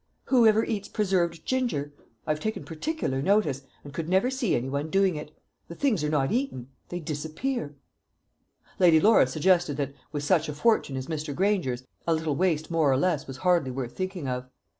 Who ever eats preserved ginger? I have taken particular notice, and could never see any one doing it. The things are not eaten; they disappear." Lady Laura suggested that, with such a fortune as Mr. Granger's, a little waste more or less was hardly worth thinking of.